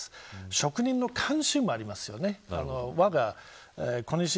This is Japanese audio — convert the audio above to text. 職人の慣習もありますよね。